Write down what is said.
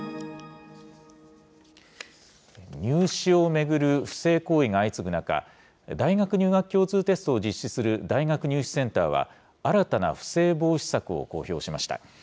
入試を巡る不正行為が相次ぐ中、大学入学共通テストを実施する大学入試センターは、新たな不正防止策を公表しました。